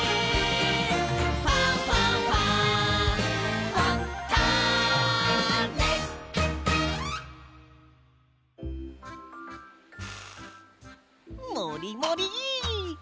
「ファンファンファン」もりもり！